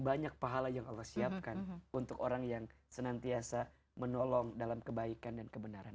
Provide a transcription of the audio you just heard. banyak pahala yang allah siapkan untuk orang yang senantiasa menolong dalam kebaikan dan kebenaran